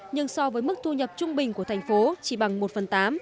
nhưng so với mức thu nhập trung bình của thành phố chỉ bằng một phần tám